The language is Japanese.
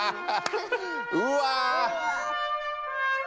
うわ！